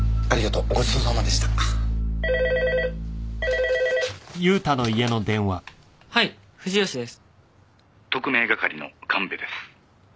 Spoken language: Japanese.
「特命係の神戸です」